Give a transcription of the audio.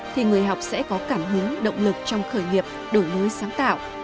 thì người học sẽ có cảm hứng động lực trong khởi nghiệp đổi mới sáng tạo